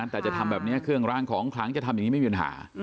แต่จะทำแบบนี้เครื่องรางของคลังจะทำอย่างนี้ไม่มีปัญหา